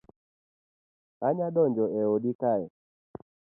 Anya donjo e odi kae